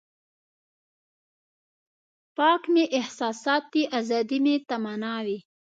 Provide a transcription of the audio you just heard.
پاک مې احساسات دي ازادي مې تمنا وي.